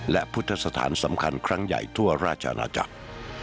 และพุทธสถานสำคัญครั้งใหญ่ทั่วราชอาณาจักร